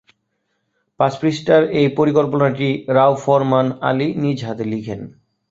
পাঁচ পৃষ্ঠার এই পরিকল্পনাটি রাও ফরমান আলী নিজ হাতে লিখেন।